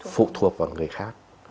phụ thuộc vào người khác